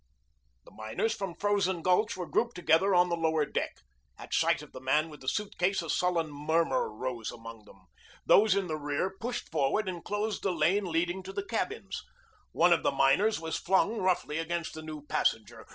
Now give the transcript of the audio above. The miners from Frozen Gulch were grouped together on the lower deck. At sight of the man with the suitcase a sullen murmur rose among them. Those in the rear pushed forward and closed the lane leading to the cabins. One of the miners was flung roughly against the new passenger.